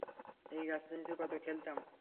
এই গাছের নিচে কত খেলতাম!